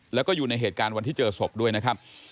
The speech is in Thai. แล้วก็อยู่ในเหตุการณ์วันที่เจอศพด้วยนะครับ